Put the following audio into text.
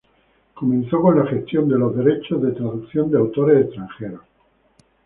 Comenzó con la gestión de los derechos de traducción de autores extranjeros.